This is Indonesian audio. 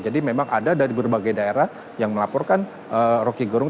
jadi memang ada dari berbagai daerah yang melaporkan rocky gerung